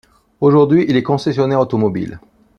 Aujourd'hui, il est concessionnaire automobile.